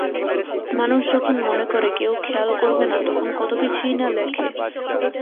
মানুষ যখন মনে করে কেউ খেয়াল করবে না তখন কত কিছুই না লেখে।